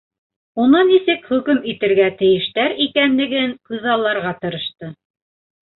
Уны нисек хөкүм итергә тейештәр икәнлеген күҙалларға тырышты.